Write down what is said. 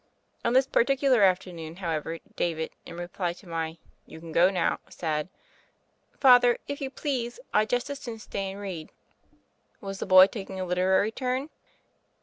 On this particular after noon, however, David, in reply to my "You can go now," said : "Father, if you please, I'd just as soon stay and read." Was the boy taking a literary turn